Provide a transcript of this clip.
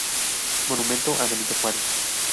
Monumento a Benito Juárez.